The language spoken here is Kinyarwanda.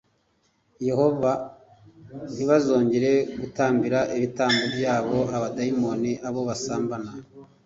Yehova h ntibazongere gutambira ibitambo byabo abadayimoni abo basambana